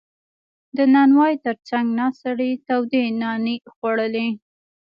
• د نانوا تر څنګ ناست سړی تودې نانې خوړلې.